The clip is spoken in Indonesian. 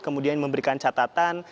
kemudian memberikan catatan